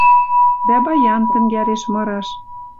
Дӓ баян тӹнгӓлеш мыраш